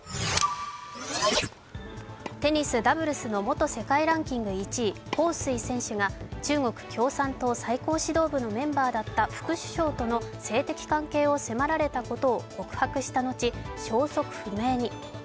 テニスダブルスの元世界ランキング１位、彭帥選手が中国共産党最高指導部のメンバーだった副首相との性的関係を迫られたことを告白した後、消息不明に。